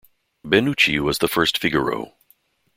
Benucci was the first Figaro.